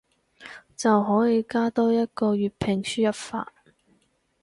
就可以加多一個粵拼輸入法